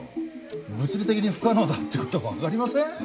物理的に不可能だと分かりません？